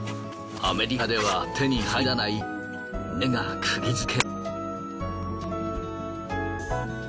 アメリカでは手に入らない丸鉋に目が釘付け。